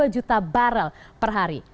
dua juta barrel per hari